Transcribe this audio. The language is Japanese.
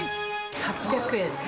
８００円です。